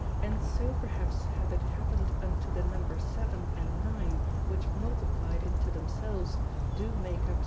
"And so perhaps hath it happened unto the number 7. and 9. which multiplyed into themselves doe make up 63.